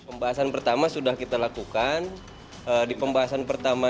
pembahasan pertama sudah kita lakukan